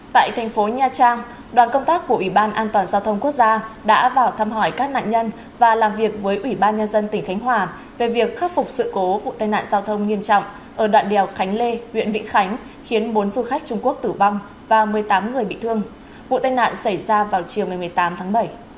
tại thành phố nha trang đoàn công tác của ủy ban an toàn giao thông quốc gia đã vào thăm hỏi các nạn nhân và làm việc với ủy ban nhân dân tỉnh khánh hòa về việc khắc phục sự cố vụ tai nạn giao thông nghiêm trọng ở đoạn đèo khánh lê huyện vĩnh khánh khiến bốn du khách trung quốc tử vong và một mươi tám người bị thương vụ tai nạn xảy ra vào chiều một mươi tám tháng bảy